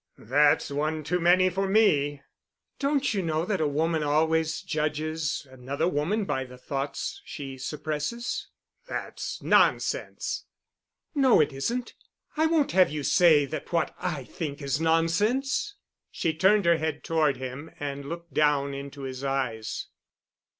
"That's one too many for me." "Don't you know that a woman always judges another woman by the thoughts she suppresses?" "That's nonsense." "No, it isn't. I won't have you say that what I think is nonsense." She turned her head toward him and looked down into his eyes.